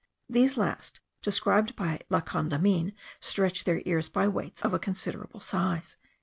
These last, described by La Condamine, stretch their ears by weights of a considerable size.)